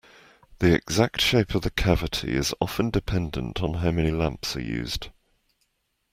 The exact shape of the cavity is often dependent on how many lamps are used.